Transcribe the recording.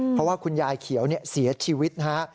เพราะว่าคุณยายเขียวเสียชีวิตนะฮะ